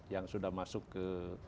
yang sudah masuk ke